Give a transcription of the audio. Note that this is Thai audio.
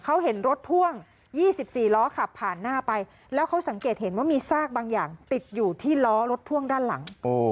เขาเห็นรถพ่วง๒๔ล้อขับผ่านหน้าไปแล้วเขาสังเกตเห็นว่ามีซากบางอย่างติดอยู่ที่ล้อรถพ่วงด้านหลัง